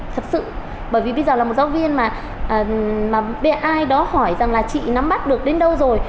thật sự bởi vì bây giờ là một giáo viên mà ai đó hỏi rằng là chị nắm bắt được đến đâu rồi